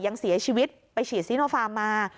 ยังเสียชีวิตไปฉีดซีโนฟาร์มมา